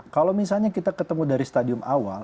kalau misalnya kita ketemu dari stadium awal